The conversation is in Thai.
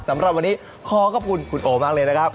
สำหรับวันนี้ขอขอบคุณคุณโอมากเลยนะครับ